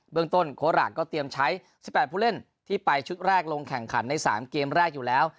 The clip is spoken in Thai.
เมืองต้นโคราชก็เตรียมใช้๑๘ผู้เล่นที่ไปชุดแรกลงแข่งขันใน๓เกมแรกอยู่แล้ว